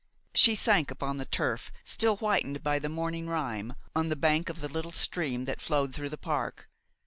She sank upon the turf, still whitened by the morning rime, on the bank of the little stream that flowed through the park.